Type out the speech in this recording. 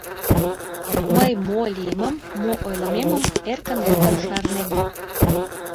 Мый мо лиймым, мо ойлымемым эркын-эркын шарнем...